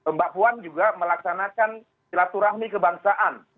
mbak puan juga melaksanakan silaturahmi kebangsaan